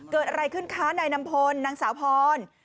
เกิดอะไรขึ้นคะนายนำพลนางสาวพร